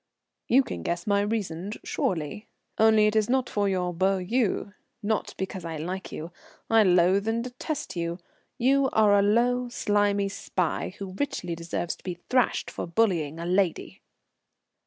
"You can guess my reasons, surely. Only it is not for your beaux yeux; not because I like you. I loathe and detest you. You are a low, slimy spy, who richly deserves to be thrashed for bullying a lady."